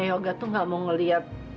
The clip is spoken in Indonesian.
yoga tuh gak mau ngeliat